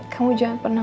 kamu jangan pernah